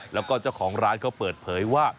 แล้วก็เจ้าของร้านเขาเปิดเผยว่า